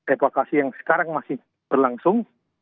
evakuasi yang sekarang masih berlangsung